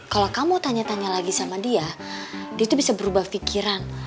kalau kamu tanya tanya lagi sama dia dia itu bisa berubah pikiran